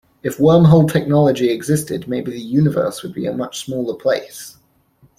If wormhole technology existed maybe the universe would be a much smaller place.